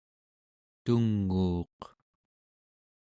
tunguuq